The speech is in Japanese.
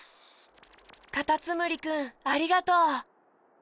カタツムリくんありがとう！